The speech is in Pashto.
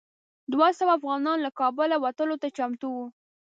دوه سوه افغانان له کابله وتلو ته چمتو وو.